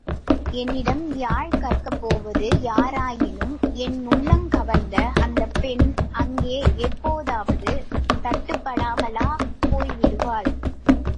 என்னிடம் யாழ் கற்கப்போவது யாராயினும் என் உள்ளங்கவர்ந்த அந்தப்பெண் அங்கே எப்போதாவது தட்டுப்படாமலா போய் விடுவாள்?